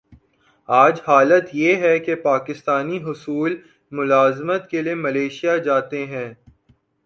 آج حالت یہ ہے کہ پاکستانی حصول ملازمت کیلئے ملائشیا جاتے ہیں۔